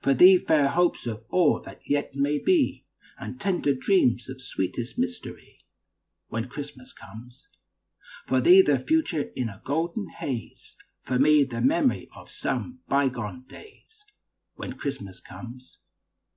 For thee, fair hopes of all that yet may be, And tender dreams of sweetest mystery, When Christmas comes. For thee, the future in a golden haze, For me, the memory of some bygone days, When Christmas comes.